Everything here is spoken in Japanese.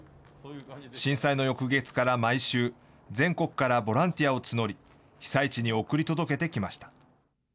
震災の翌月から毎週、全国からボランティアを募り、被災地に送り届けてきました。